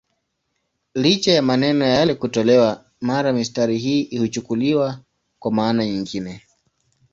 Licha ya maneno yale kutolewa, mara mistari hii huchukuliwa kwa maana nyingine.